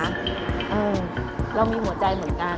เรามีหัวใจเหมือนกัน